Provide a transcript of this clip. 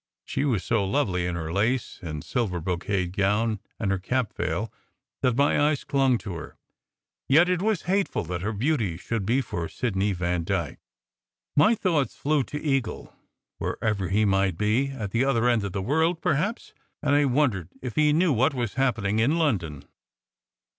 She was so lovely in her lace and silver brocade gown, and her cap veil, that my eyes clung to her, yet it was hateful that her beauty should be for Sid ney Vandyke. My thoughts flew to Eagle, wherever he might be at the other end of the world, perhaps and I wondered if he knew what was happening in London.